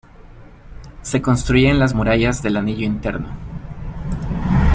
Se construyen las murallas del anillo interno.